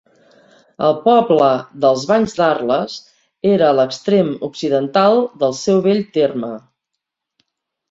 El poble dels Banys d'Arles era a l'extrem occidental del seu vell terme.